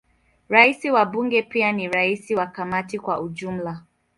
Rais wa Bunge pia ni rais wa Kamati kwa ujumla.